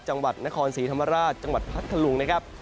จังหวัดนครศรีธรรมราชจังหวัดพัทธลุงนะครับ